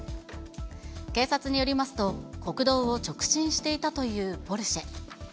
警察によりますと、国道を直進していたというポルシェ。